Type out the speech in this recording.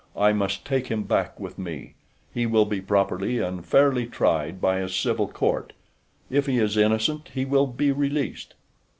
"I must take him back with me. He will be properly and fairly tried by a civil court. If he is innocent he will be released."